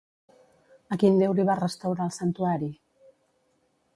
A quin déu li va restaurar el santuari?